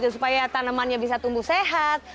supaya tanamannya bisa tumbuh sehat